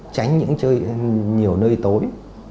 tránh những chơi nhiều nơi tối